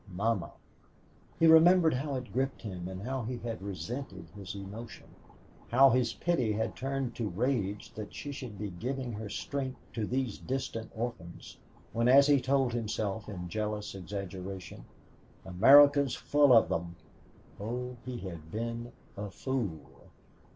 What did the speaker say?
Mamma!" He remembered how it had gripped him and how he had resented his emotion how his pity had turned to rage that she should be giving her strength to these distant orphans when, as he told himself in jealous exaggeration, "America's full of them." Oh, he had been a fool.